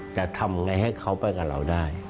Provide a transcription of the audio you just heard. จะทำไงให้เขาไปกับเราได้